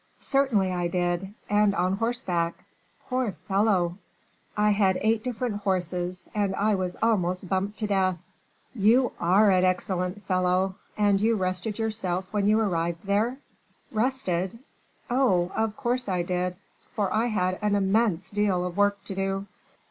"Certainly I did, and on horseback." "Poor fellow!" "I had eight different horses, and I was almost bumped to death." "You are an excellent fellow! And you rested yourself when you arrived there?" "Rested! Oh! of course I did, for I had an immense deal of work to do."